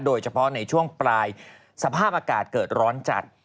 โดยเฉพาะในช่วงปลายสภาพอากาศเกิดร้อนจัด